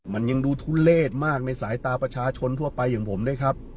มันยังดูทุเลศมากในสายตาประชาชนทั่วไปอย่างผมด้วยครับ